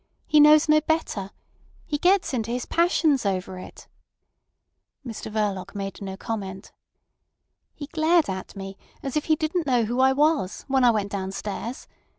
He knows no better. He gets into his passions over it." Mr Verloc made no comment. "He glared at me, as if he didn't know who I was, when I went downstairs.